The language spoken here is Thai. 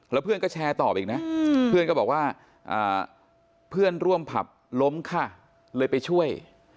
แล้วเพื่อนก็แชร์ตอบอีกนะเพื่อนก็บอกว่าเพื่อนร่วมผับล้มค่ะเลยไปช่วย